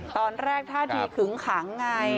ตอนแรกท่าทีขึงขังไง